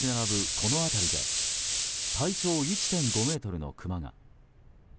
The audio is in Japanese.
この辺りで体長１．５ｍのクマが。